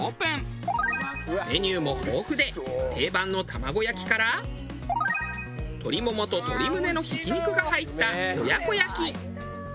メニューも豊富で定番の玉子焼きから鶏ももと鶏むねのひき肉が入った親子焼き。